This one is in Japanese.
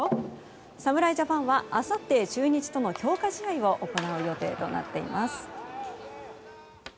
侍ジャパンはあさって中日との強化試合を行う予定となっています。